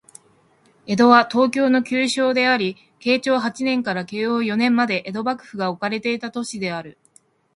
江戸は、東京の旧称であり、慶長八年から慶応四年まで江戸幕府が置かれていた都市である